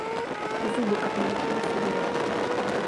І зубы каб навучыліся вырошчваць.